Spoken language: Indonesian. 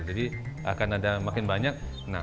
jadi akan ada makin banyak